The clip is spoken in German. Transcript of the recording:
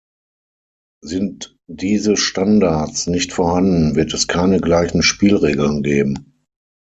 Sind diese Standards nicht vorhanden, wird es keine gleichen Spielregeln geben.